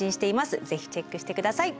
ぜひチェックして下さい。